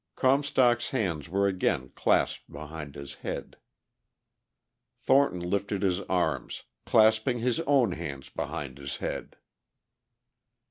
Comstock's hands were again clasped behind his head. Thornton lifted his arms, clasping his own hands behind his head.